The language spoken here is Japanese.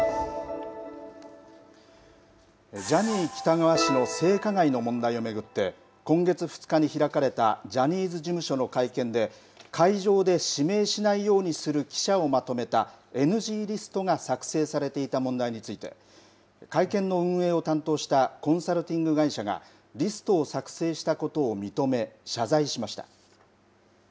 ジャニー喜多川氏の性加害の問題を巡って今月２日に開かれたジャニーズ事務所の会見で会場で指名しないようにする記者をまとめたＮＧリストが作成されていた問題について会見の運営を担当したコンサルティング会社がリストを作成したことを認め謝罪しました。